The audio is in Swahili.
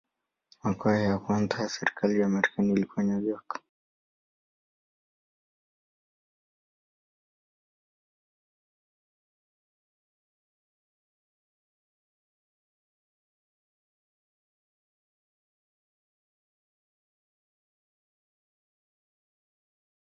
Fumbatio ni sehemu ndefu zaidi ya mnyama.